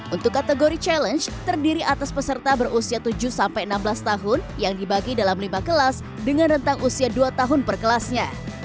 untuk kategori challenge terdiri atas peserta berusia tujuh sampai enam belas tahun yang dibagi dalam lima kelas dengan rentang usia dua tahun per kelasnya